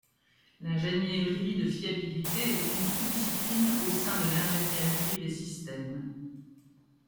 L'ingénierie de fiabilité est une sous-discipline au sein de l'ingénierie des systèmes.